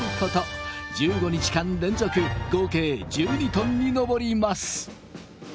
１５日間連続合計１２トンに上ります。